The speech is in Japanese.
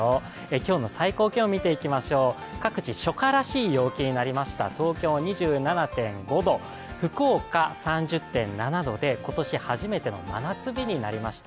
今日の最高気温、見ていきましょう各地、初夏らしい陽気になりました東京２７．５度、福岡３０．７度で今年初めての真夏日になりました。